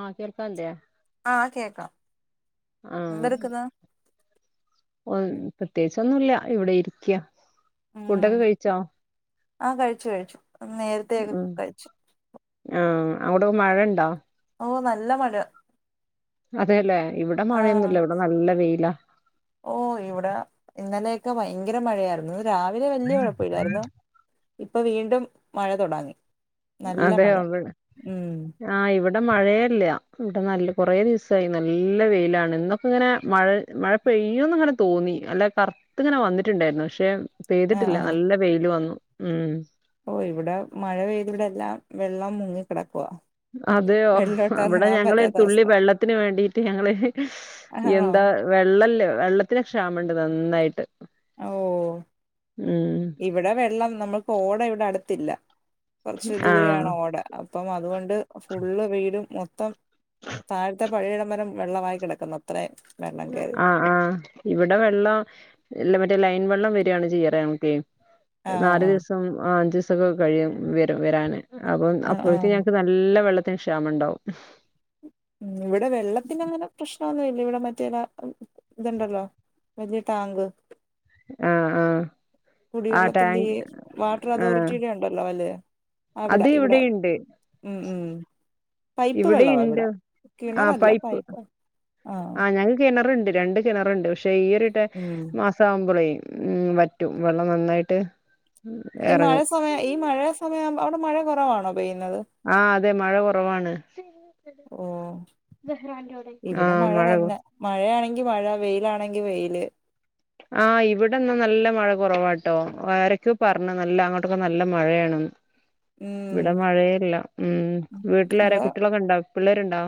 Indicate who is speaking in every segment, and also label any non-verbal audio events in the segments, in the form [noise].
Speaker 1: ആഹ് കേൾക്കാല്ലേ,
Speaker 2: ആഹ് കേക്കാം
Speaker 1: ആഹ്
Speaker 2: എന്തെടുക്കുന്നു
Speaker 1: ഒൻ പ്രത്യേകിച്ചൊന്നുല്ല ഇവിടെ ഇരിക്ക
Speaker 2: ഉം
Speaker 1: ഫുഡൊക്കെ കഴിച്ചോ?
Speaker 2: ആഹ് കഴിച്ചു, കഴിച്ചു നേര്
Speaker 1: ആഹ്, ആഹ് അവിടെ മഴ ഇണ്ടോ?
Speaker 2: ഓഹ്, നല്ല മഴ.
Speaker 1: അതെല്ലേ ഇവിടെ മഴയൊന്നുല്ല ഇവിടെ നല്ല വെയിലാ.
Speaker 2: ഓഹ് ഇവിടെ ഇന്നലെയൊക്കെ ഭയങ്കര മഴയാരുന്നു രാവിലെ വല്ല്യേ കുഴപ്പല്ലായിരുന്നു. ഇപ്പൊ വീണ്ടും മഴ തുടങ്ങി നല്ല
Speaker 1: അതെ
Speaker 2: മഴ,
Speaker 1: അവിടെ
Speaker 2: ഉം.
Speaker 1: ആഹ് ഇവിടെ മഴേല്ല ഇവിടെ നല്ല കൊറേ ദിവസായി നല്ല വെയിലാണ് ഇന്നൊക്കെ ഇങ്ങനെ മഴ, മഴ പെയ്യോന്ന് ഇങ്ങനെ തോന്നി നല്ല കറുത്ത് ഇങ്ങനെ വന്നിട്ടുണ്ടായിരുന്നു പക്ഷെ
Speaker 2: ആഹ്
Speaker 1: പെയ്തിട്ടില്ല നല്ല വെയില് വന്നു, ഉം.
Speaker 2: ഓഹ് ഇവിടെ മഴ പെയ്ത് ഇവിടെല്ലാം വെള്ളം മുങ്ങി കിടക്കുവ.
Speaker 1: അതെയോ ഇവിടെ ഞങ്ങളൊരു തുള്ളി
Speaker 2: അവസ്ഥ
Speaker 1: വെള്ളത്തിന് വേണ്ടീട്ട് ഞങ്ങള് ഹ് ഹ്
Speaker 2: ആണോ
Speaker 1: എന്താ വെള്ളല്ല, വെള്ളത്തിന് ക്ഷാമണ്ട് നന്നായിട്ട്.
Speaker 2: ഓഹ്
Speaker 1: ഉം
Speaker 2: ഇവിടെ വെള്ളം നമ്മൾക്ക് ഓട ഇവിടെ അടുത്തില്ല കുറച്ച്
Speaker 1: ആഹ്
Speaker 2: ദൂരെയാണ് ഓട, അപ്പം അതുകൊ ണ്ട് ഫുള്ള് വീടും മൊത്തം താഴത്തെ പഴിയടം വരെ വെള്ളമായി കിടക്കുന്നു അത്രേ.
Speaker 1: ആഹ്, ആഹ് ഇവിടെ വെള്ളം ഇല്ല മറ്റേ ലൈൻ വെള്ളം വര് ആണ് ചെയ്യ് പറയ് ഞങ്ങക്ക്. ഒരു നാല്
Speaker 2: ആഹ്
Speaker 1: ദിവസം അഞ്ച് ദിവസൊക്കെ കഴിയും വര് വരാന് അപ്പം
Speaker 2: ആഹ്
Speaker 1: അപ്പഴക്ക്
Speaker 2: ആഹ്
Speaker 1: ഞങ്ങക്ക് നല്ല നല്ല വെള്ളത്തിന് ക്ഷാമണ്ടാവും.
Speaker 2: ഉം, ഇവിടെ വെള്ളത്തിന്റെങ്ങനെ പ്രശ്നൊന്നുല്ല ഇവിടെ മറ്റേ ഇതാ ഇതുണ്ടല്ലോ വല്ല്യേ ടാങ്ക്.
Speaker 1: ആഹ് ആഹ് ആഹ്
Speaker 2: കുടിവെള്ളത്തിന്റെ
Speaker 1: ടാങ്ക്
Speaker 2: വാട്ടർ
Speaker 1: ആഹ്
Speaker 2: അതോറിറ്റിയുടെ ഉണ്ടല്ലോ അല്ലെ അവിടെ
Speaker 1: അത്
Speaker 2: ഇവിടെ
Speaker 1: ഇവിടെയുണ്ട്
Speaker 2: ഉം ഉം പൈപ്പ് വെള്ളമാണ്
Speaker 1: ഇവിടെയുണ്ട്
Speaker 2: ഇവിടെ
Speaker 1: ആഹ്
Speaker 2: കിണറല്ല
Speaker 1: പൈപ്പ്
Speaker 2: പൈപ്പ
Speaker 1: ആഹ് ഞങ്ങൾ കിണറുണ്ട് രണ്ട് കിണറുണ്ട് പക്ഷെ ഈ ഒരുട്ട
Speaker 2: ഉം
Speaker 1: മാസം ആകുമ്പോളേ ഉം വറ്റും വെള്ളം നന്നായിട്ട്
Speaker 2: ഈ മഴ
Speaker 1: എറങ്ങും
Speaker 2: സമയ ഈ മഴ സമയ അവിടെ മഴ കുറവാണോ പെയ്യുന്നത്
Speaker 1: ആഹ് അതെ മഴ കുറവാണ്
Speaker 2: ഓ ഇവിടെ
Speaker 1: ആഹ് മഴ
Speaker 2: തന്നെ മഴയാണെങ്കി മഴ വെയിലാണെങ്കി വെയിയില്
Speaker 1: ആഹ് ഇവിടെന്നാ നല്ല മഴ കുറവാട്ടോ ആരൊക്കെയ പറഞ്ഞ നല്ല അങ്ങോട്ടൊക്കെ നല്ല മഴയാന്ന്
Speaker 2: ഉം
Speaker 1: ഇവിടെ മഴയല്ല ഉം വീട്ടിലറെ
Speaker 2: അ
Speaker 1: കുട്ടികളൊക്കെ ഉണ്ടാ പിള്ളേരുണ്ടോ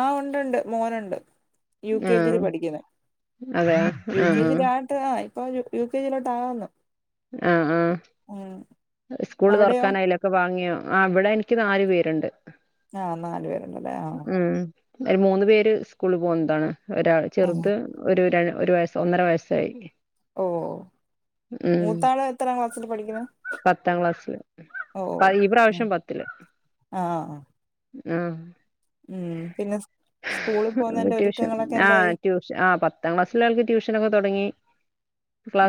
Speaker 2: ആഹ് ഉണ്ടുണ്ട് മോനുണ്ട് യു കെ ജിൽ
Speaker 1: ആഹ്
Speaker 2: പഠിക്കുന്ന
Speaker 1: അതെ ആഹ്
Speaker 2: യു കെ
Speaker 1: ആഹ്
Speaker 2: ജിയില- ട്ട് ആ ഇപ്പൊ യു കെ ജയിലോട്ട് ആകന്നു
Speaker 1: ആഹ് ആഹ് സ്കൂള്
Speaker 2: അവിടെയോ
Speaker 1: തുറക്കാനായില്ല ഒക്കെ വാങ്ങിയോ ആ ഇവിടെ എനിക്ക് നാല് പേരുണ്ട്
Speaker 2: ആഹ് നാല് പേരുണ്ടല്ലേ ആഹ്
Speaker 1: ഉം ഒരു മൂന്ന് പേര് സ്കൂളിൽ പോകുന്നതാണ് ഒരാൾ
Speaker 2: ആ
Speaker 1: ചെറുത് ഒരു ഒരു വയസ്സ് ഒന്നര വയസ്സായി
Speaker 2: ഓഹ്
Speaker 1: ഉം
Speaker 2: മൂത്താള് എത്രാണ് ക്ലാസ്സിൽ പഠിക്കണ്
Speaker 1: പത്താം ക്ലാസ്സില് ഈ പ്രാവശ്യം പത്തില്ല്
Speaker 2: ആഹ് ആഹ്
Speaker 1: ആഹ്
Speaker 2: ഉം പിന്നെ സ്കൂളിൽ പോകുന്നെ ഒരുക്കങ്ങളൊക്കെ എന്തായി
Speaker 1: ആഹ് പത്താം ക്ലാസ്സില ആൾക്ക് ട്യൂഷനൊക്കെ തുടങ്ങി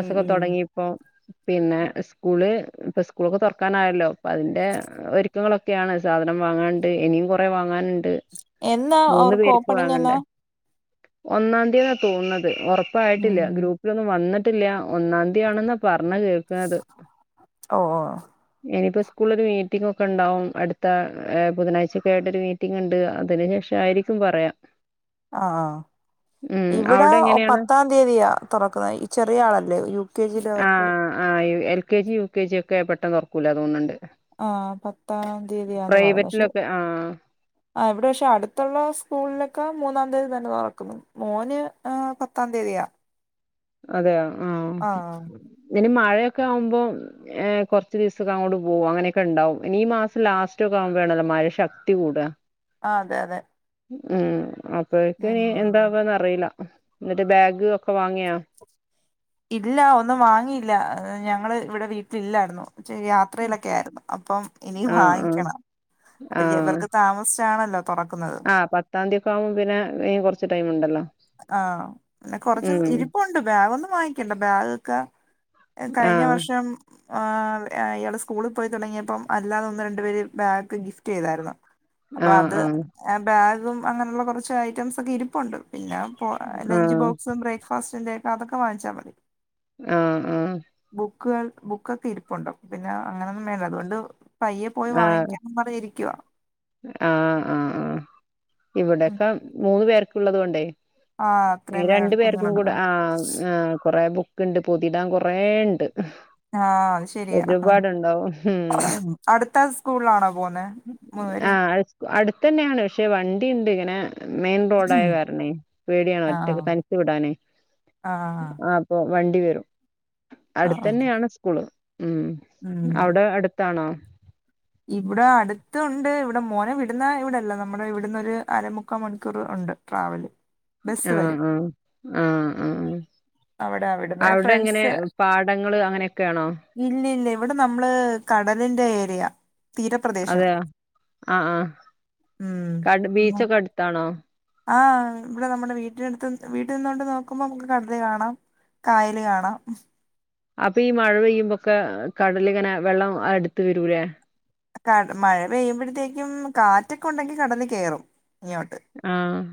Speaker 2: ഉം ഉം
Speaker 1: തുടങ്ങി ഇപ്പോ പിന്നെ സ്കൂള് ഇപ്പ സ്കൂളൊക്കെ തുറക്കാൻ ആയല്ലോ അപ്പ അതിന്റെ ഒരുക്കങ്ങളൊക്കെ ഒക്കെയാണ് സാധനം വാങ്ങാണ്ട് ഇനിയും കുറെ വാങ്ങാണ്ട്
Speaker 2: എന്നാ
Speaker 1: മൂന്ന്
Speaker 2: അവർക്ക്
Speaker 1: പേര്ക്
Speaker 2: ഓപ്പണിങ് എന്നാ
Speaker 1: വാങ്ങണ്ടേ ഒന്നാം തിയ്യതി തോന്നുന്നത് ഉറപ്പായിട്ടില്ല
Speaker 2: ഉം
Speaker 1: ഗ്രൂപ്പ് ലൊന്നും വന്നിട്ടില്ല ഒന്നാം തീയതിയാണെന്നാ പറഞ്ഞ കേൾക്കുന്നത്
Speaker 2: ഓ ഓ
Speaker 1: ഇനിയിപ്പോ സ്കൂളില് മീറ്റിംങ്ങ് ഒക്കെ ഉണ്ടാവും അടുത്താ ബുധനാഴ്ചൊക്കെ ആയിട്ട് ഒരു മീറ്റിംങ്ങ് ഉണ്ട് അതിന് ശേഷ ആയിരി - [inaudible] പറയാം
Speaker 2: ആഹ് ഇവിടെ
Speaker 1: അവിടെ എങ്ങനെയാണ്
Speaker 2: പത്താം തീയതിയ തുറക്കുന്ന ഈ ചെറിയ ആളല്ലേ യു കെ ജിയില അവർക്ക്
Speaker 1: ആഹ് L K G U K G ഒക്കെ പെട്ടെന്ന് തുറക്കൂല്ല തോന്നുന്നുണ്ട്
Speaker 2: ആഹ് പത്താം തീയതിയാന്ന് പറഞ്ഞ പക്ഷെ
Speaker 1: പ്രൈവറ്റിലൊക്കെ ആ
Speaker 2: ആഹ് ഇവിടെ പക്ഷെ അടുത്തുള്ള സ്കൂളിലൊക്കെ മൂന്നാം തീയതി തന്നെ തുറക്കുന്നു മോന് പത്താം തീയതിയാ
Speaker 1: അതെയ ആഹ് ഇവന് മഴയൊക്കെ ആവുമ്പോ ഏഹ് കുറച്ച് ദിവസക്ക അങ്ങോട്ട് പോകും അങ്ങനൊക്കെണ്ടാവും ഇനി ഈ മാസം ലാസ്റ്റ് ഒക്കെ ആവുമ്പോണല്ലോ മഴ ശക്തി ശക്തി കൂടാ
Speaker 2: ആഹ് അതെ അതെ
Speaker 1: ഉം അപ്പക്ക ഇനി
Speaker 2: ഉം
Speaker 1: എന്താവാ അറിയി- റയില്ല എന്നിട്ട് ബാഗ് ഒക്കെ വാങ്ങിയാ
Speaker 2: ഇല്ല ഒന്നും വാങ്ങിയില്ല ഞങ്ങള് ഇവിടെ വീട്ടിലില്ലായിരുന്നു യാത്രയിലൊക്കെ ആയിരുന്നു അപ്പം ഇനി
Speaker 1: ആഹ് ആഹ്
Speaker 2: വാങ്ങിക്കണം അപ്പൊ
Speaker 1: ആഹ്
Speaker 2: ഇവർക്ക് താമസിച്ചാണല്ലോ തുറക്കുന്നത്.
Speaker 1: ആഹ് പത്താംതിക്കാവുമ്പോ പിന്നെ കുറച്ച് ടൈം ണ്ടല്ലോ.
Speaker 2: ആഹ് കൊറച്ച് ഇരിപ്പുണ്ട്. ബാഗ് ഒന്നും വാങ്ങിക്കണ്ട. ബാഗ് ക്കെ ഏഹ് കഴിഞ്ഞ
Speaker 1: ആഹ്
Speaker 2: വർഷം. ആഹ് ഇയാള് സ്കൂളിൽ പോയി തുടങ്ങിയപ്പം അല്ലാതെ ഒന്ന് രണ്ടു പേര് ബാഗ് ഗിഫ്റ്റയ്തായിരുന്നു. അപ്പൊ അത് ആഹ് ബാഗും അങ്ങനള്ള കൊറച്ച് ഐറ്റംസ് ഒക്കെ ഇരിപ്പുണ്ട്. പിന്നെ പ്പൊ ലഞ്ച്
Speaker 1: ആഹ്
Speaker 2: ബോക്സും ബ്രേക്ക്ഫാസ്റ്റിന്റെക്കെ അതൊക്കെ വാങ്ങിച്ചാ മതി.
Speaker 1: ആഹ് ആഹ്.
Speaker 2: ബുക്കുകൾ ബുക്കൊക്കെ ഇരിപ്പുണ്ട്. പിന്നെ അങ്ങനെയൊന്നും വേണ്ട. അതുകൊണ്ട് പയ്യെ പോയി
Speaker 1: ആഹ്
Speaker 2: വാങ്ങിക്കണം പറഞ്ഞിയിരിക്കുവ.
Speaker 1: ആഹ് ആഹ് ആഹ്
Speaker 2: ഉം.
Speaker 1: ഇവിടൊക്കെ മൂന്ന് പേർക്കുള്ളത് കൊണ്ടേ
Speaker 2: ആ
Speaker 1: ഇനി
Speaker 2: അത്രയും വേണം
Speaker 1: രണ്ടു പേർക്കും കൂടെ
Speaker 2: കുഞ്ഞുങ്ങളുണ്ടല്ലോ
Speaker 1: ആഹ് ആഹ് ആഹ് കൊറെ ബുക്ക്ണ്ട്. പൊതിടാൻ കൊറേ ണ്ട്. ഹ്
Speaker 2: ആഹ് അഹ് ശരിയാ.
Speaker 1: ഒരുപാടുണ്ടാവും. ഹും
Speaker 2: അടുത്ത സ്കൂൾലാണോ പോന്നെ. മൂന്നെരും.
Speaker 1: ആഹ് അഹ് സ്കൂ അടുത്തന്നെണ്. പക്ഷെ വണ്ടി ണ്ട്. ഇങ്ങനെ മെയിൻ റോഡായ് കാരണേയ് പേടിയാണേ
Speaker 2: ആ
Speaker 1: ഒറ്റക്ക് തനച്ച് വിടാനയ്.
Speaker 2: ആ
Speaker 1: ആഹ് പ്പോ വണ്ടി വരും.
Speaker 2: ആ ആ.
Speaker 1: അടുത്തന്നെയാണ് സ്കൂള് ഉം
Speaker 2: ഉം
Speaker 1: അവ്ടെ അടു താണോ?
Speaker 2: ഇവിടെ അടുത്തുണ്ട്. ഇവിടെ മോനെ വിടുന്ന ഇവിടെല്ലാ. നമ്മുടെ ഇവിടുന്നൊരു അരമുക്കാ മണിക്കൂറ് ഉണ്ട്. ട്രാവല്. ബസ്സ് വരും
Speaker 1: ആഹ് ആഹ്. ആഹ് ആഹ്.
Speaker 2: അവിടെ അവിടുന്ന്
Speaker 1: അവ്ടെ ങ്ങനെ.
Speaker 2: ഫ്രണ്ട്സ്
Speaker 1: പാടങ്ങള് അങ്ങനെക്കെണോ?
Speaker 2: ഇല്യ ല്യ. ഇവിടെ നമ്മള് കടലിന്റെ ഏരിയ. തീരപ്രദേശം
Speaker 1: അതെയോ. ആഹ് ആഹ് കടു ബീച്ചൊക്കെ അടുത്താണോ?
Speaker 2: ആഹ് ഇവടെ നമ്മുടെ വീട്ടിനടുത്ത്ന്ന്‌ വീട്ടിൽ നിന്നോണ്ട് നോക്കുമ്പോ നമുക്ക് കടല് കാണാം. കായല് കാണാം.
Speaker 1: അപ്പൊ ഈ മഴ പെയ്യുമ്പൊക്കെ കടലിങ്ങനെ വെള്ളം അടുത്ത് വരൂലേ.
Speaker 2: കട മഴ പെയ്യുമ്പഴത്തേക്കും കാറ്റൊക്കെ ഉണ്ടെങ്കി കടല് കേറും ഇങ്ങോട്ട്.
Speaker 1: ആഹ്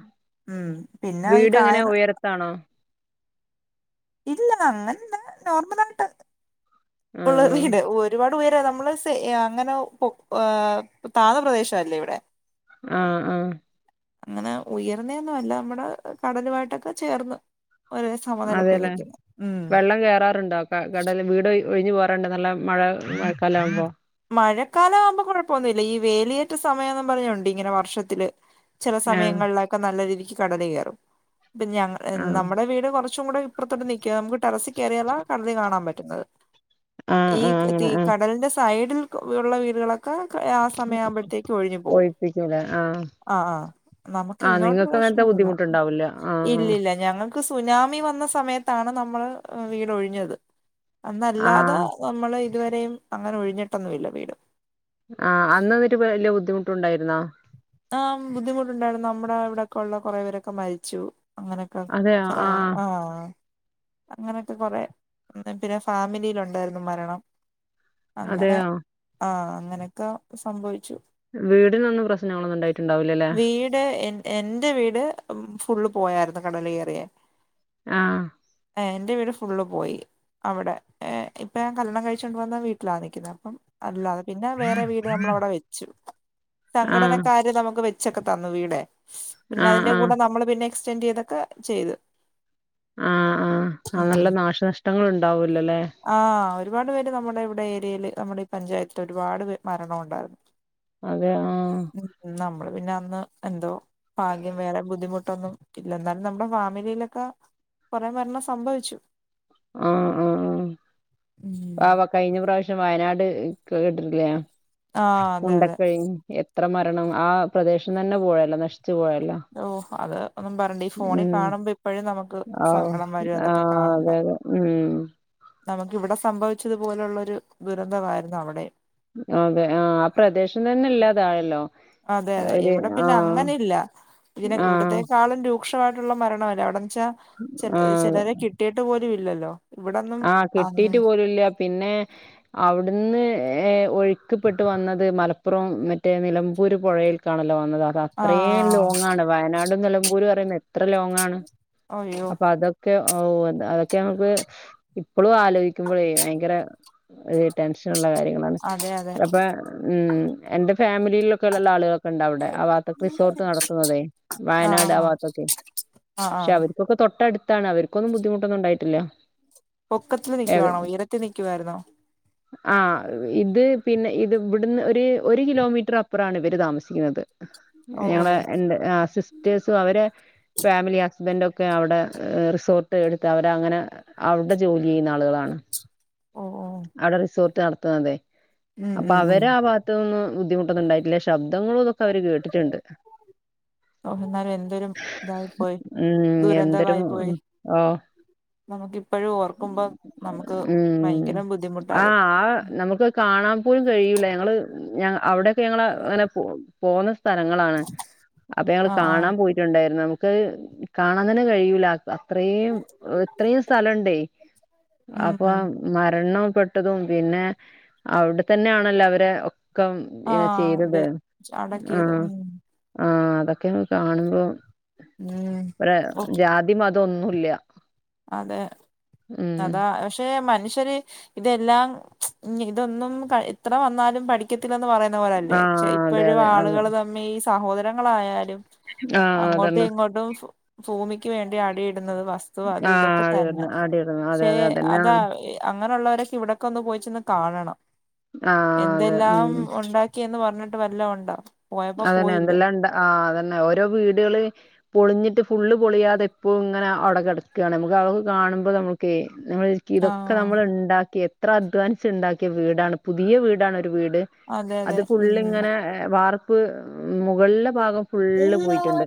Speaker 2: ഉം പിന്നെ ഈ
Speaker 1: വീട് എങ്ങനെ
Speaker 2: കായൽ
Speaker 1: ഉയർത്താണോ?
Speaker 2: ഇല്ല. അങ്ങനല്ല. നോർമലായിട്ട്
Speaker 1: ആഹ്
Speaker 2: ഉള്ളരു
Speaker 1: ആഹ്.
Speaker 2: വീട്. ഒരുപാട് ഉയര നമ്മള് സെയ അങ്ങനെ പ്പൊ ഉ താന്ന പ്രദേശല്ലേ ഇവടെ.
Speaker 1: ആഹ് ആഹ്.
Speaker 2: അങ്ങനെ ഉയർന്നെന്നും അല്ല. നമ്മടെ കടലുമായിട്ടൊക്കെ ചേർന്നു. ഒരേ സമനിലപ്പിൽ
Speaker 1: അതെല്ലേ?
Speaker 2: നിക്യും. ഉം
Speaker 1: വെള്ളം കേറാറുണ്ടൊ? ക കടല്. വീട് ഒഴി ഒഴിഞ്ഞു പോവാറുണ്ട്. നല്ല മഴ മഴക്കാലാവുമ്പോ.
Speaker 2: മഴക്കാലവുമ്പോ കൊഴപ്പൊന്നുല്ല. ഈ വേലിയേറ്റ സമയംന്ന് പറഞ്ഞോണ്ട് ഇങ്ങനെ വർഷത്തില്. ചെല
Speaker 1: ആഹ്
Speaker 2: സമയങ്ങളിലൊക്കെ നല്ല രീതിക്ക് കടല് കേറും. ഇപ്പ ഞ
Speaker 1: ആഹ്
Speaker 2: നമ്മുടെ വീട് കൊറ ച്ചും കൂടെ ഇപ്പുറതൊട്ട് നിക്ക. നമുക്ക് ടെറസി കേറിയാല കടല് കാണാൻ പറ്റുന്നത്.
Speaker 1: ആഹ് ആഹ്
Speaker 2: ഈക് തീ
Speaker 1: അങ്ങനെ ആഹ്
Speaker 2: കടലിന്റെ സൈഡിൽ ക്ക്‌ ള്ള വീടുകളൊ ക്കെ കാ ആഹ് സമയാവുമ്പോഴത്തേക്ക് ഒഴിഞ്ഞു പോവും.
Speaker 1: ഒഴിപ്പിക്കൂലേ ആഹ്
Speaker 2: ആഹ് ആഹ്. നമുക്ക്
Speaker 1: ആഹ്
Speaker 2: ഇങ്ങോട്ട്
Speaker 1: നിങ്ങക്ക് അങ്ങനത്തെ
Speaker 2: പ്രശ്നൊന്നുല്ല.
Speaker 1: ബുദ്ധിമുട്ടുണ്ടാവൂല്ല ആഹ്
Speaker 2: ഇല്ല്യല്ല. ഞങ്ങൾക് ക്ക് സുനാമി വന്ന സമയത്താണ് നമ്മള് വീടൊഴിഞ്ഞത്.
Speaker 1: ആഹ്
Speaker 2: അന്നല്ലാതെ
Speaker 1: ആഹ്
Speaker 2: നമ്മള് ഇതുവരെയും അങ്ങനെ ഒഴിഞ്ഞിട്ടൊന്നുവില്ല വീട്.
Speaker 1: ആഹ് അന്നന്നിട്ട് വല്യ ബുദ്ധിമുട്ടുണ്ടായിരുന്നോ?
Speaker 2: ആഹ് ബുദ്ധിമുട്ടുണ്ടായിരുന്നു നമ്മുടെ ഇവിടെക്കെള്ള കൊറെ പേരൊക്കെ മരിച്ചു അങ്ങനെ ക്കൊ ആഹ്. അങ്ങനൊക്കെ കൊറെ പിന്നെ ഫാമിലിയിലുണ്ടായിരുന്നു മരണം. അങ്ങനെ
Speaker 1: അതെയോ
Speaker 2: ആഹ് അങ്ങനൊക്കെ സംഭവിച്ചു.
Speaker 1: വീടിനൊന്നും പ്രശ്നങ്ങളൊന്നും ഇണ്ടായിട്ടുണ്ടാവില്ലല്ലേ?
Speaker 2: ഏ എൻ എന്റെ വീട് ഫുള്ള് പോയാരുന്നു കടല് കേറ്യാ
Speaker 1: ആഹ്
Speaker 2: ഏഹ് എന്റെ വീട് ഫുള്ള് പോയി. അവടെ ഏ ഇപ്പം ഞാൻ കല്യാണം കഴിച്ച് കൊണ്ട് വന്ന വീട്ടിലാ നിക്ക്ന്നേ അപ്പം അല്ല പിന്നെ വേറെ വീട് നമ്മള് അവിടെ വെച്ചു സംഘടന
Speaker 1: ആഹ്
Speaker 2: ക്കാര് നമുക്ക് വെച്ചൊക്കെ തന്നു വീടെ പിന്നെ
Speaker 1: ആഹ്
Speaker 2: അതിന്റെ
Speaker 1: ആഹ്
Speaker 2: കൂടെ നമ്മള് പിന്നെ എക്സൈറ്റൊക്കെ ചെയ്ത്.
Speaker 1: ആഹ് ആഹ് ആ നല്ല
Speaker 2: ഉം
Speaker 1: നാശനഷ്ടങ്ങൾ ഇണ്ടാവൊല്ലല്ലോല്ലേ?
Speaker 2: ആഹ് ഒരുപാട് പേര് നമ്മുടെ ഇവിടെ ഏരിയേല്‌ നമ്മടെ ഈ പഞ്ചായത്ത് ഒരുപാട് പേ മരണ ഉണ്ടായിരുന്നു.
Speaker 1: അതെ ആഹ്.
Speaker 2: നമ്മള് പിന്നെ അന്ന് എന്തോ ഭാഗ്യം വേറെ ബുദ്ധിമുട്ടൊന്നും ഇല്ല ന്നാലും നമ്മുടെ ഫാമിലിയിലൊക്കെ കൊറെ മരണം സംഭവിച്ചു.
Speaker 1: ആഹ് ആഹ്. പാവം കയ്ഞ്ഞ പ്രാവശ്യം വയനാട് കേട്ടിട്ട്ല്ലേ
Speaker 2: ആഹ് അതെ അതെ
Speaker 1: മുണ്ടക്കഴിഞ്ഞി. എത്ര മരണം ആ പ്രദേശം തന്നെ പോഴല്ലോ നശിച്ചു പോയല്ലോ.
Speaker 2: ഓ അത് ഒന്നും പറണ്ട ഈ ഫോണി
Speaker 1: ഉം
Speaker 2: കാണുമ്പോ ഇപ്പഴും നമുക്ക്
Speaker 1: ആ
Speaker 2: സങ്കടം വരും
Speaker 1: ആ
Speaker 2: അതൊക്കെ കാണു
Speaker 1: അതെ ഉം.
Speaker 2: നമുക്ക് ഇവിടെ സംഭവിച്ചതു പോലുള്ള ഒരു ദുരന്തമായ്രുന്നു അവിടെം.
Speaker 1: അതെ ആഹ് ആ പ്രദേശം തന്നെ ഇല്ലാതായല്ലോ.
Speaker 2: അതെ അതെ
Speaker 1: ഒരു
Speaker 2: ഇവിടെ
Speaker 1: ആ
Speaker 2: പിന്നെ അങ്ങനില്ല ഇതി
Speaker 1: ആ
Speaker 2: ഇവിടത്തേക്കാളും രൂ രൂക്ഷായിട്ടുള്ള മരണമല്ലെ അവിടെന്ന്ച്ചാ ച
Speaker 1: ആ
Speaker 2: ചിലരെ കിട്ടിയിട്ട് പോലും ഇല്ലല്ലോ. ഇവിടൊന്നും
Speaker 1: ആഹ്
Speaker 2: അങ്ങ
Speaker 1: കിട്ടീട്ട് പോലുല്ല പിന്നെ അവ് ട്‌ന്ന് ഏ ഒഴുക്ക്പ്പെട്ട് വന്നത് മലപ്പുറം മറ്റേ നിലമ്പൂര് പുഴയി ക്കാണല്ലോ വന്നതാ അത്രം
Speaker 2: ആഹ്
Speaker 1: ലോങ്ങാണ് വയനാടും നിലമ്പൂരുംപറയുമ്പോ എത്ര ലോങ്ങാണ്
Speaker 2: അയ്യോ
Speaker 1: അപ്പൊ അതൊ ക്കെ ഓ അതൊക്കെ നമുക്ക് ഇപ്പളും ആലോയ്ക്കുമ്പഴേ ഭയങ്കര ഒര് ടെൻഷന്ള്ള കാര്യങ്ങളാണ്.
Speaker 2: അതെ അതെ
Speaker 1: അപ്പൊ ഉം എന്റെ ഫാമിലിലൊക്കെ ള്ള ആളുകളൊക്കെണ്ട് അവ്ടെ ആ ഭാത്തൊ റിസോർട്ട് നടത്തുന്നതേ
Speaker 2: ആഹ്
Speaker 1: വായനാട് ആ
Speaker 2: ആഹ്
Speaker 1: ബാത്തൊക്കെ.
Speaker 2: ആഹ് ആഹ്.
Speaker 1: ക്ഷെ അവർക്കൊക്കെ തൊട്ടട്ത്താണ് അവർക്കാന്നും ബുദ്ധിമുട്ടൊന്നും ഉണ്ടായിട്ടില്ല.
Speaker 2: പൊക്കത്തിൽ നിക്കുവാണോ ഉയരത്തി നിക്കുവായിരുന്നോ?
Speaker 1: ആഹ് ഇത് പിന്നെ ഇത് ഇവ് ടുന്ന് ഒര് ഒര് കിലോമീറ്റർ അപ്പറാണ് ഇവര് താമസിക്ക്ന്നത്.
Speaker 2: ഓ ഓ
Speaker 1: ഞങ്ങളെ എന്റെ സിസ്റ്റേഴ്സും അവരെ ഫാമിലി ഹസ്ബൻ്റൊക്കെ അവ്ടെ റിസോർട്ട് എട്ത്ത് അവര് അങ്ങനെ അവ്ടെ ജോലി ചെയ്യ്ന്നാ ആള്‌കളാണ്
Speaker 2: ഓ ഓ
Speaker 1: അവിടെ റിസോർട്ട് നട്ത്ത്ന്നതെ
Speaker 2: ഉം
Speaker 1: അപ്പ
Speaker 2: ഉം ഉം
Speaker 1: അവരാ ഭാത്ത്ന്നൊന്നും ബുദ്ധിമുട്ടൊന്നുണ്ടായിട്ടില്ല ശബ്ദങ്ങളും തൊക്കെ അവര് കേട്ടിട്ട്ണ്ട്.
Speaker 2: ഉം. ഓ എന്നാലും എന്തൊരും ഇതായി പോയി
Speaker 1: ഉം എന്തൊരു
Speaker 2: ദുരന്തമായി
Speaker 1: ഉം
Speaker 2: പോയി
Speaker 1: ഓഹ്
Speaker 2: നമുക്ക് ഇപ്പഴും ഓർക്കുമ്പോ നമുക്ക്
Speaker 1: ഉം
Speaker 2: ഭയങ്കരം ബുദ്ധിമുട്ടാ അത്
Speaker 1: ആഹ് ആ നമുക്ക് കാണാൻ പോലും കഴിയൂല്ല ഞങ്ങള് ഞ അവിടെ [unintelligible] അങ്ങനെ പോന്ന സ്ഥലങ്ങളാണ് അപ്പൊ ഞങ്ങള്
Speaker 2: ആഹ് ആഹ്
Speaker 1: കാണാൻ പോയി യിട്ട്ണ്ടായിര്ന്നു നമുക്ക് കാണാൻ തന്നെ കഴിയൂല അത്രയും ഇത്രയും സ്ഥലണ്ടേ അപ്പൊ അ
Speaker 2: ഉം
Speaker 1: മരണം പെട്ടതും പിന്നെ അവിടെ തന്നെയാണല്ലോ അവരെ ക്കം
Speaker 2: ആഹ്
Speaker 1: ചെയ്തത്
Speaker 2: അതെ അടക്കിയത്
Speaker 1: ആഹ്
Speaker 2: ഉം
Speaker 1: ആഹ് അതൊക്കെ ഒന്ന് കാണുമ്പോ
Speaker 2: ഉം
Speaker 1: ഒരു അ
Speaker 2: ഓ
Speaker 1: ജാതി മതം ന്നുല്ല്യ
Speaker 2: അതെ അതാ പക്ഷെ മനുഷ്യര് ഇതെല്ലാം ഇതൊന്നും ഇത്ര വന്നാലും പഠിക്കത്തില്ലന്ന് പറയ ന്ന പോലല്ലേ ചെ
Speaker 1: ആഹ് അതെ
Speaker 2: ഇപ്പോഴും
Speaker 1: അതെ അതെ
Speaker 2: ആളുകൾ ത മ്മീ സഹോദരങ്ങളായാലും
Speaker 1: ആഹ്
Speaker 2: അങ്ങോട്ടും
Speaker 1: അതന്നെ
Speaker 2: ഇങ്ങോട്ടും ഭൂമിക്ക് വേണ്ടി അടിയിടുന്നത് വസ്തു അത്
Speaker 1: ആഹ്
Speaker 2: ഇതൊക്കെ തന്നെ
Speaker 1: അടിയിടുന്നു അടിയിടുന്നു അതെ
Speaker 2: പക്ഷേ
Speaker 1: അതെ
Speaker 2: അതാ
Speaker 1: അതന്നെയാണ്
Speaker 2: അങ്ങനള്ളോരൊക്കെ ഇവിടെക്കെ ഒന്ന് പോയിച്ചന്ന് കാണണം
Speaker 1: ആഹ് അതെ ഉം
Speaker 2: എന്തെല്ലാം ഉണ്ടാ ക്കിന്ന് പറഞ്ഞിട്ട് വല്ല ഉണ്ടോ പോയപ്പോ
Speaker 1: അതന്നെ
Speaker 2: പോയില്ലേ
Speaker 1: എന്തെല്ലാം ഉണ്ട ആ അതന്നെ ഓരോ വീടുകള് പൊളി ഞെട്ട് ഫുള് പൊളിയാതെപ്പോൾ ഇങ്ങനെ അവിടെ കിടക്കയാണ് നമുക്ക് അവക്ക് കാണുമ്പോൾ നമുക്ക് നമ്മൾ ഇതൊക്കെ
Speaker 2: ആഹ്
Speaker 1: നമ്മൾ ഉണ്ടാക്കി എത്ര അധ്വാൻസ് ഉണ്ടാക്കിയ വീടാണ് പുതിയ വീടാണ് ഒരു വീട്
Speaker 2: അതെ അതെ
Speaker 1: അത്
Speaker 2: ഉം
Speaker 1: ഫുള്ങ്ങനെ വാർപ്പ് മുകളില ഭാഗം ഫുള്ള് പോയിട്ടുണ്ട്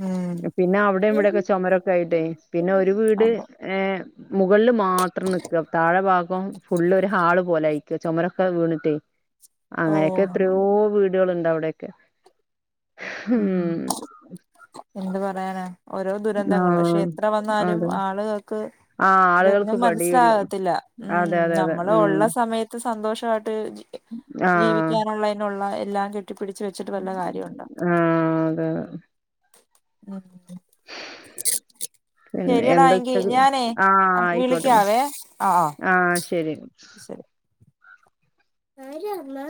Speaker 2: ഉം
Speaker 1: പിന്നെ അവിടെയും ഇവിടെക്കെ ചുമരൊക്കെ ആയിട്ടേ പിന്നെ ഒരു വീട്
Speaker 2: അപ്പൊ
Speaker 1: ഏർ മുകളില് മാത്രം നക്കുക താഴെ ഭാഗം ഫുള് ഒരു ഹാള് പോലെയിക്ക ചുമരൊക്കെ വീണിട്ടേ
Speaker 2: ഓ
Speaker 1: അങ്ങനെയൊക്കെ എത്രയോ വീടുകളുണ്ട് അവിടെൊക്കെ ഉ
Speaker 2: ഉം എന്ത് പറയാനാ ഓരോ ദുരന്തങ്ങള് പക്ഷെ
Speaker 1: ആഹ്
Speaker 2: എത്ര വന്നാലും
Speaker 1: അതെ
Speaker 2: ആളുകൾക്ക്
Speaker 1: ആഹ്
Speaker 2: ഇതൊന്നും
Speaker 1: ആളുകൾക്ക് പടിയുള്ള
Speaker 2: മനസ്സിലാകത്തില്ല ഉം
Speaker 1: അതെ അതെ അതെ
Speaker 2: നമ്മള്
Speaker 1: ഉം
Speaker 2: ഉള്ള സമയത്ത് സന്തോഷമായിട്ട്
Speaker 1: ആഹ്
Speaker 2: ജീവിക്കാനുള്ളതിനുള്ള എല്ലാം കെട്ടിപ്പിടിച്ച വെച്ചിട്ട് വല്ല കാര്യമുണ്ട
Speaker 1: ആഹ് അതെ അതെ
Speaker 2: ഉം
Speaker 1: പിന്നെ
Speaker 2: ശരിയടാ
Speaker 1: എന്താ
Speaker 2: എങ്കി
Speaker 1: ഉച്ചക്ക്
Speaker 2: ഞാനേ
Speaker 1: ആഹ് ആയിക്കോട്ടെന്നാ
Speaker 2: വിളിക്കാവേ അഹ് അഹ്
Speaker 1: ആഹ് ശരി
Speaker 2: ആരാ അമ്മേ